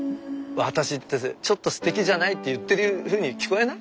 「私ってちょっとステキじゃない？」って言ってるふうに聞こえない？